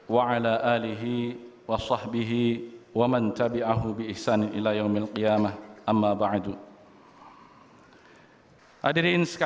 walau hanya dalam diriku